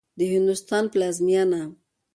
د هندوستان په پلازمېنه